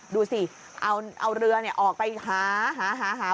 ดูสิเอาเรือเนี่ยออกไปหาหาหาหา